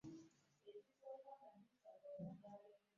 Nze nakoowa n'abasajja okunzisa ennaku.